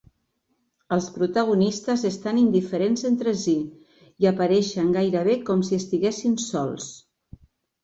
Els protagonistes estan indiferents entre si i apareixen gairebé com si estiguessin sols.